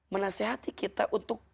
menasehati kita untuk